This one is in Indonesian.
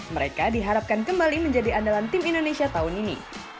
mereka diharapkan kembali menjadi andalan tim indonesia tahun ini